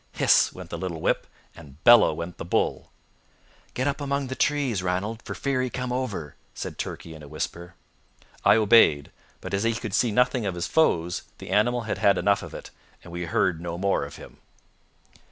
Hiss went the little whip, and bellow went the bull. "Get up among the trees, Ranald, for fear he come over," said Turkey, in a whisper. I obeyed. But as he could see nothing of his foes, the animal had had enough of it, and we heard no more of him.